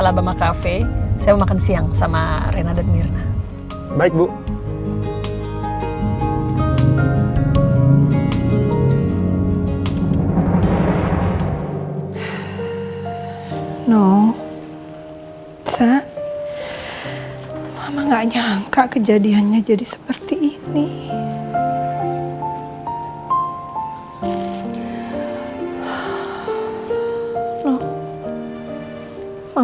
saya mau makan siang sama rena dan mirna